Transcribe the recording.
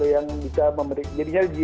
yang bisa memberi jadinya